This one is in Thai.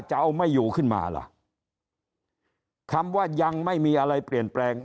จะเอาไม่อยู่ขึ้นมาล่ะคำว่ายังไม่มีอะไรเปลี่ยนแปลง